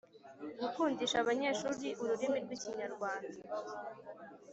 gukundisha abanyeshuri ururimi rw’Ikinyarwanda